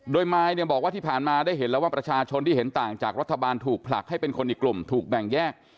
โดยมายเนี่ยบอกว่าที่ผ่านมาได้เห็นแล้วว่าประชาชนที่เห็นต่างจากรัฐบาลถูกผลักให้เป็นคนอีกกลุ่มถูกแบ่งแยก